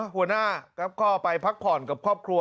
หัวหน้าก็ไปพักผ่อนกับครอบครัว